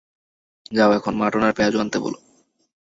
যাও এখন মাটন আর পেয়াজু আনতে বলো।